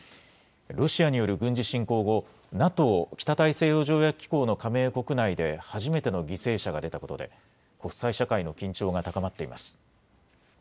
ロシアによる軍事侵攻後、ＮＡＴＯ・北大西洋条約機構の加盟国内で初めての犠牲者が出たことで国際社会の緊張が高まっています。